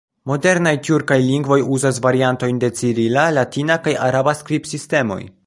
Modernaj tjurkaj lingvoj uzas variantojn de cirila, latina kaj araba skribsistemoj.